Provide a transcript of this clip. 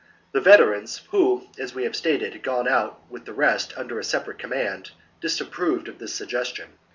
The veterans, who, as we have stated, had gone out with the rest under a separate command, disapproved of this suggestion.